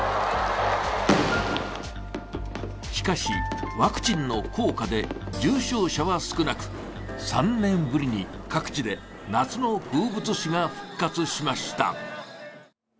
しかし、ワクチンの効果で重症者は少なく、３年ぶりに各地で夏の風物詩が復活しました。